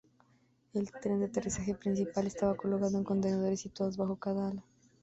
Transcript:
El tren de aterrizaje principal estaba colocado en contenedores situados bajo cada ala.